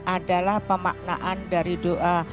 adalah pemaknaan dari doa